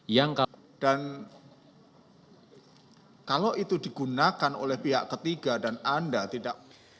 yang dan kalau itu digunakan oleh pihak ketiga dan anda tidak